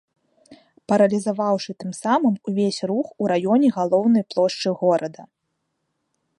Паралізаваўшы тым самым увесь рух у раёне галоўнай плошчы горада.